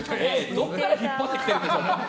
どこから引っ張ってきてるんでしょうか。